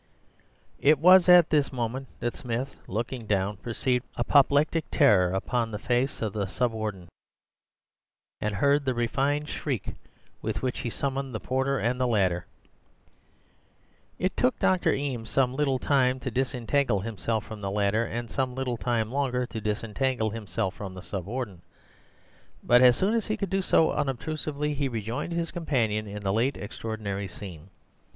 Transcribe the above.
"It was at this moment that Smith, looking down, perceived apoplectic terror upon the face of the Sub Warden, and heard the refined shriek with which he summoned the porter and the ladder. "It took Dr. Eames some little time to disentangle himself from the ladder, and some little time longer to disentangle himself from the Sub Warden. But as soon as he could do so unobtrusively, he rejoined his companion in the late extraordinary scene.